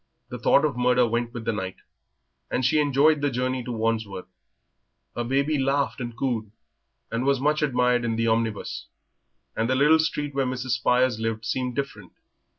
The thought of murder went with the night, and she enjoyed the journey to Wandsworth. Her baby laughed and cooed, and was much admired in the omnibus, and the little street where Mrs. Spires lived seemed different.